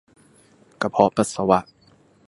กระเพาะปัสสาวะ